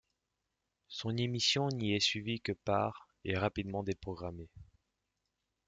Son émission n'y est suivie que par et rapidement déprogrammée.